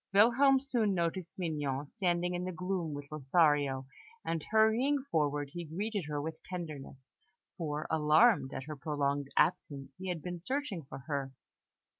Wilhelm soon noticed Mignon standing in the gloom with Lothario, and hurrying forward, he greeted her with tenderness, for, alarmed at her prolonged absence, he had been searching for her.